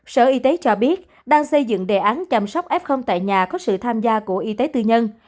sở y tế cho biết đang xây dựng đề án chăm sóc f tại nhà có sự tham gia của y tế tư nhân